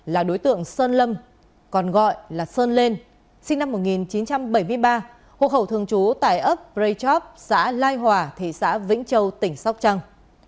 là đối tượng sơn lâm còn gọi là sơn lên sinh năm một nghìn chín trăm bảy mươi ba hộ khẩu thường trú tại ấp prey chop xã lai hòa thị xã vĩnh châu tỉnh sóc trăng